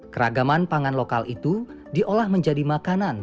keragaman pangan lokal itu diolah menjadi makanan